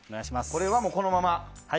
これはこのまま。